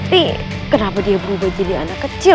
nih kenapa dia berubah jadi anak kecil